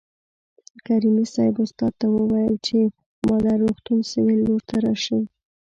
کریمي صیب استاد ته وویل چې مادر روغتون سویل لور ته راشئ.